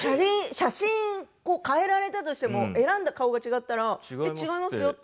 写真を変えられたとしても選んだ顔が違いますよと。